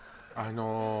あの。